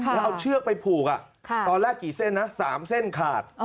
แล้วเอาเชือกไปผูกตอนแรกกี่เส้นนะ๓เส้นขาด